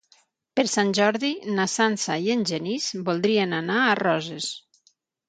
Per Sant Jordi na Sança i en Genís voldrien anar a Roses.